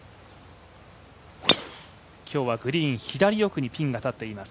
今日はグリーン左奥にピンが立っています。